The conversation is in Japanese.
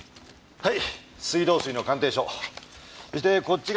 はい。